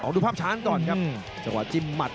เอาดูภาพช้าลั้นก่อนครับ